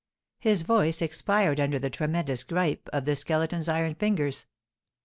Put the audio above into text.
His voice expired under the tremendous gripe of the Skeleton's iron fingers.